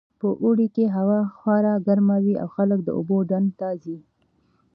په اوړي کې هوا خورا ګرمه وي او خلک د اوبو ډنډ ته ځي